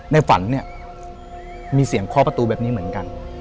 ในฝันเนี่ยมีเสียงเคาะประตูแบบนี้เหมือนกัน